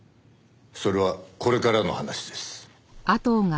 それはこれからの話です。